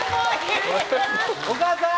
お母さん！